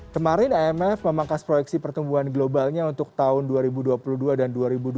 kemarin imf memangkas proyeksi pertumbuhan globalnya untuk tahun dua ribu dua puluh dua dan dua ribu dua puluh